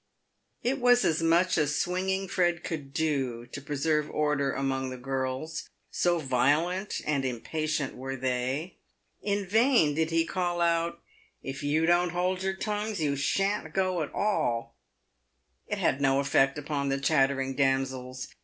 It was as much as Swinging Fred could do to preserve order among the girls, so violent and impatient were they. In vain did he call out, " If you don't hold your tongues, you shan't go at all ;" it had no effect upon the chattering damsels.